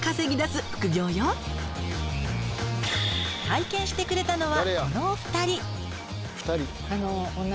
体験してくれたのはこのお二人。